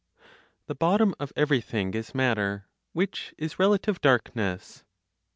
THE BOTTOM OF EVERYTHING IS MATTER, WHICH IS RELATIVE DARKNESS. 5.